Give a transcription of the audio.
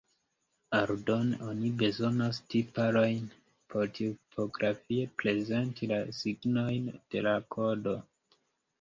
Aldone oni bezonas tiparojn por tipografie prezenti la signojn de la kodo.